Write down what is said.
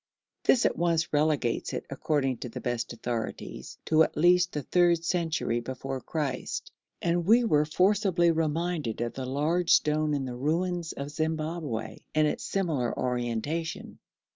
This at once relegates it, according to the best authorities, to at least the third century before Christ, and we were forcibly reminded of the large stone in the ruins of Zimbabwe and its similar orientation.